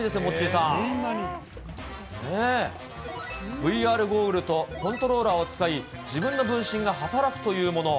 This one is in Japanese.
ＶＲゴーグルとコントローラーを使い、自分の分身が働くというもの。